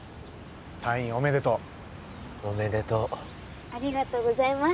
退院おめでとうおめでとうありがとうございます